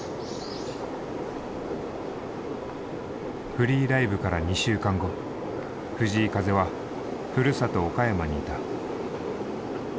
「“Ｆｒｅｅ”Ｌｉｖｅ」から２週間後藤井風はふるさと岡山にいた。